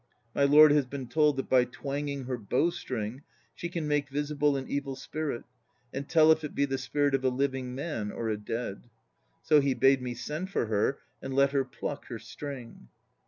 My lord has been told that by twanging her bow string she can make visible an evil spirit and tell if it be the spirit of a living man or a dead. So he bade me send for her and let her pluck her string.